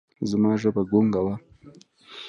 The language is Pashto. زما ژبه ګونګه وه ـ